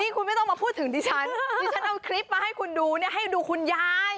คุณไม่ต้องมาพูดถึงดิฉันดิฉันเอาคลิปมาให้คุณดูเนี่ยให้ดูคุณยาย